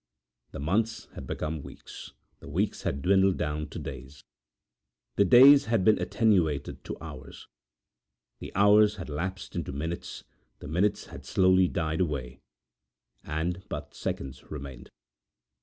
The months had become weeks; the weeks had dwindled down to days; the days had been attenuated to hours; the hours had lapsed into minutes, the minutes had slowly died away, and but seconds remained.